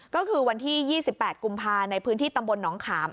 ก็คือวันที่๒๘กุมภาในพื้นที่ตำบลหนองขาม